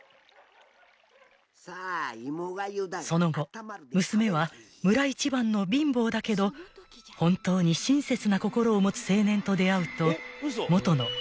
［その後娘は村一番の貧乏だけど本当に親切な心を持つ青年と出会うと］